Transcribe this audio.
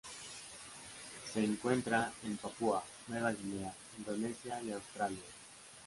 Se encuentran en Papúa Nueva Guinea, Indonesia y Australia.